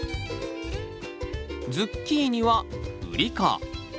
ズッキーニはウリ科。